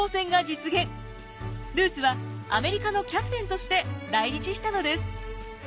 ルースはアメリカのキャプテンとして来日したのです。